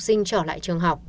sinh trở lại trường học